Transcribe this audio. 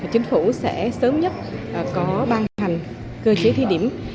chính phủ sẽ sớm nhất có ban hành cơ chế thí điểm